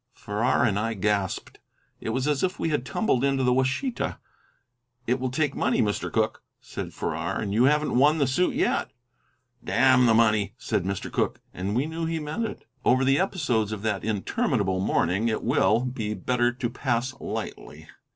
Farrar and I gasped: it was as if we had tumbled into the Washita. "It will take money, Mr. Cooke," said Farrar, "and you haven't won the suit yet." "Damn the money!" said Mr. Cooke, and we knew he meant it. Over the episodes of that interminable morning it will, be better to pass lightly.